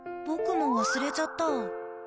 僕も忘れちゃった。